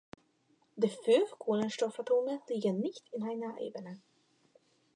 Die fünf Kohlenstoffatome liegen nicht in einer Ebene.